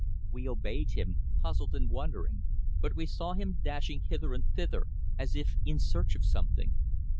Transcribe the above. We obeyed him, puzzled and wondering, but we saw him dashing hither and thither as if in search of something.